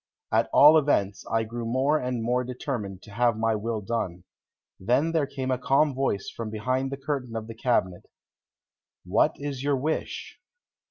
At all events, I grew more and more determined to have my will done. Then there came a calm voice from behind the curtain of the cabinet. "What is your wish?"